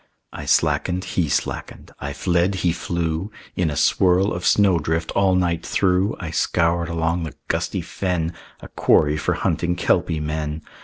I slackened, he slackened; I fled, he flew; In a swirl of snow drift all night through I scoured along the gusty fen, A quarry for hunting Kelpie men.